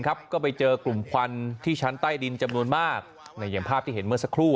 ก็ไปเจอกลุ่มควันที่ชั้นใต้ดินจำนวนมากอย่างภาพที่เห็นเมื่อสักครู่